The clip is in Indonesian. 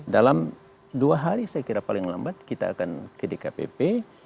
dalam dua hari saya kira paling lambat kita akan ke dkpp